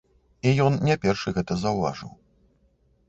І ён не першы гэта заўважыў.